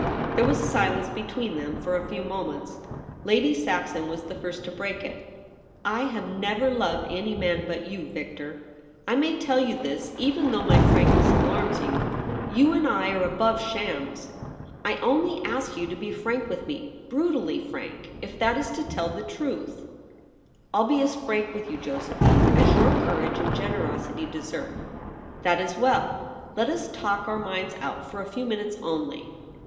' There was silence between them for a few moments. Lady Saxon was the first to break it. ' I have never loved any man but jou, Victor. I may tell you this, even though my frankness alarms you. You and I are above shams. I only ask you to be frank with 54 THE REBEL ROSE. me — brutally frank, if that is to tell the truth.' 'I'll be as frank with you, Josephine, as your courage and generosity deserve.' ' That is well. Let us talk our minds out for a few minutes only.